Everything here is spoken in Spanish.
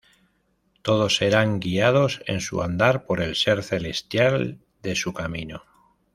Todos serán guiados en su andar por el Ser Celestial de su camino.